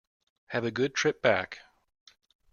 Have a good trip back.